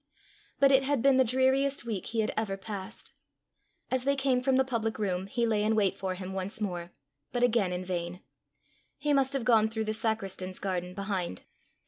But it had been the dreariest week he had ever passed. As they came from the public room, he lay in wait for him once more, but again in vain: he must have gone through the sacristan's garden behind.